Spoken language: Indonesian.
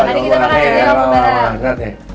enak banget ya